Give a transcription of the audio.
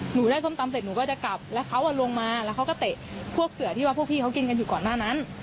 หนูได้ส้มตำเสร็จหนูก็จะกลับแล้วเขาลงมาแล้วเขาก็เตะพวกเสือที่ว่าพวกพี่เขากินกันอยู่ก่อนหน้านั้น